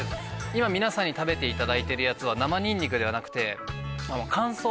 今皆さんに食べていただいてるやつは生ニンニクではなくて。